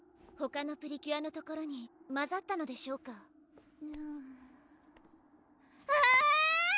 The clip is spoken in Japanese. ほかのプリキュアの所にまざったのでしょうかうんあぁ！